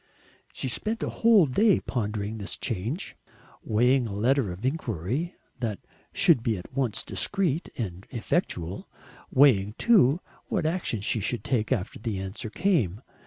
She spent a whole day pondering this change, weighing a letter of inquiry that should be at once discreet and effectual, weighing too what action she should take after the answer came.